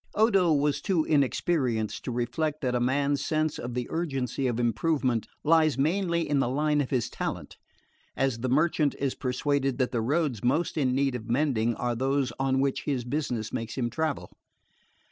Odo was too inexperienced to reflect that a man's sense of the urgency of improvement lies mainly in the line of his talent: as the merchant is persuaded that the roads most in need of mending are those on which his business makes him travel.